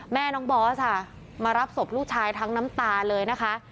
แม่น้องบอสค่ะมารับศพลูกชายทั้งน้ำตาเลยนะคะ